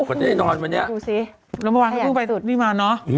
กว่าจะได้นอนวันนี้ดูสิละเมื่อวานพี่มาเนอะ